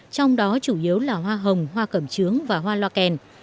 trong đó chủ yếu là hoa hồng hoa cẩm trướng và hoa loa kèn